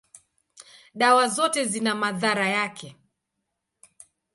dawa zote zina madhara yake.